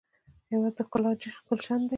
هېواد د ښکلا ګلشن دی.